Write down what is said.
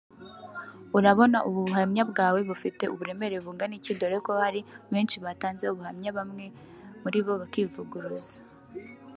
urabona ubu buhamya bwawe bufite uburemere bungana iki dore ko hari benshi batanze ubuhamya bamwe muri bo bakivuguruza